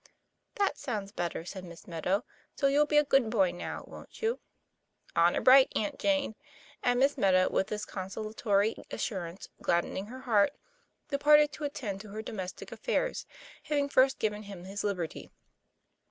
"That sounds better," said Miss Meadow. "So you'll be a good boy now, wont you?" " Honor bright, Aunt Jane." And Miss Meadow, with this consolatory assurance gladdening her heart, departed to attend to her domestic affairs, having first given him his liberty.